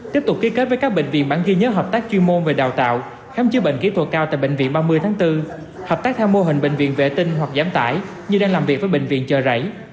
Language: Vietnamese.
tiếp tục ký kết với các bệnh viện bản ghi nhớ hợp tác chuyên môn về đào tạo khám chữa bệnh kỹ thuật cao tại bệnh viện ba mươi tháng bốn hợp tác theo mô hình bệnh viện vệ tinh hoặc giảm tải như đang làm việc với bệnh viện chợ rảy